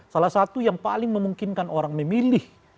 salah satu yang paling memungkinkan orang memilih